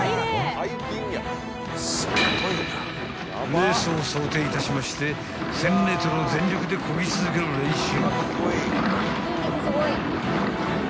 ［レースを想定いたしまして１，０００ｍを全力でこぎ続ける練習］